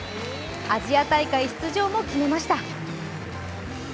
アジア大会出場も決めました。